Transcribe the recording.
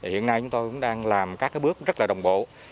hiện nay chúng tôi cũng đang làm các bước rất là đồng bộ